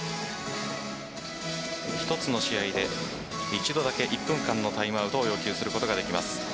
１つの試合で一度だけ１分間のタイムアウトを要求することができます。